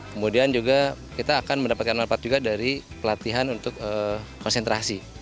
kemudian juga kita akan mendapatkan manfaat juga dari pelatihan untuk konsentrasi